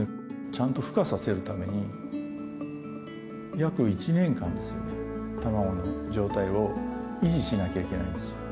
ちゃんとふ化させるために、約１年間ですよね、卵の状態を維持しなきゃいけないんです。